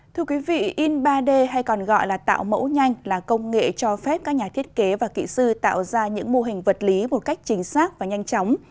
thưa quý vị in ba d hay còn gọi là tạo mẫu nhanh là công nghệ cho phép các nhà thiết kế và kỹ sư tạo ra những mô hình vật lý một cách chính xác và nhanh chóng